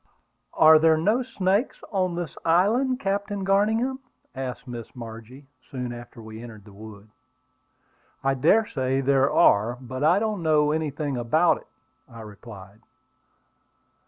"Are there no snakes on this island, Captain Garningham?" asked Miss Margie, soon after we entered the wood. "I dare say there are; but I don't know anything about it," I replied.